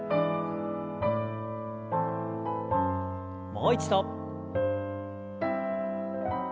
もう一度。